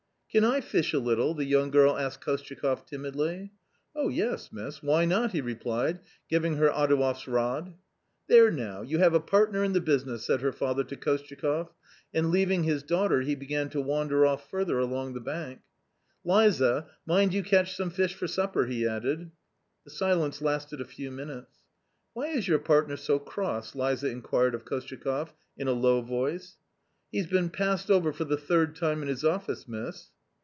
" Can I fish a little !" the young girl asked Kostyakoff timidly. " Oh yes, miss; why not ?" he replied, giving her Adouev's rod. " There now, you have a partner in the business !" said her father to Kostyakoff and, leaving his daughter, he began to wander off further along the bank. " Liza, mind you catch some fish for supper," he added. The silence lasted a few minutes. "Why is your partner so cross?" Liza inquired of Kostyakoff in a low voice. " He's been passed over for the third time in his office, miss."